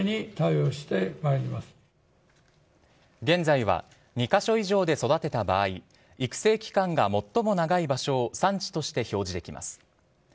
現在は２カ所以上で育てた場合育成期間が最も長い場所を産地として表示できます。